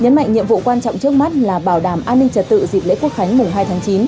nhấn mạnh nhiệm vụ quan trọng trước mắt là bảo đảm an ninh trật tự dịp lễ quốc khánh mùng hai tháng chín